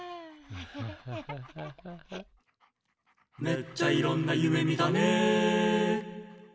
「めっちゃいろんな夢みたね」